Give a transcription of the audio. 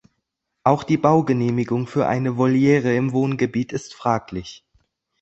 Auch die Baugenehmigung für eine Voliere im Wohngebiet ist fraglich.